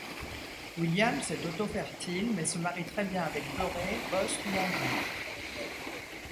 Williams est autofertile mais se marie très bien avec Beurré Bosc ou Anjou.